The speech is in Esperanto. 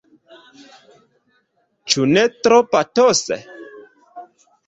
Ĉu ne tro patose?